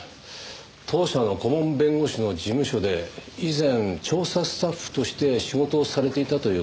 当社の顧問弁護士の事務所で以前調査スタッフとして仕事をされていたという関係で。